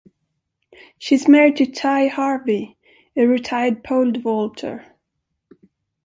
She is married to Tye Harvey, a retired pole vaulter.